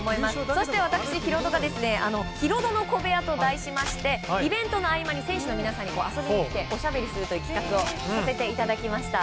そして私ヒロドがヒロドのこべや。と題しましてイベントの合間に選手の皆さんに遊びに来ておしゃべりするという企画をさせていただきました。